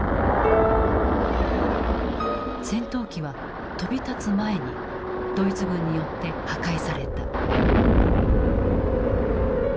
戦闘機は飛び立つ前にドイツ軍によって破壊された。